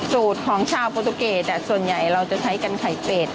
สูตรของชาวโปรตุเกตส่วนใหญ่เราจะใช้กันไข่เป็ด